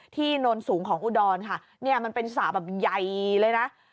โนนสูงของอุดรค่ะเนี่ยมันเป็นสระแบบใหญ่เลยนะ